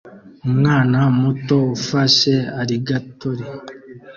Umwana muto ufashe alligator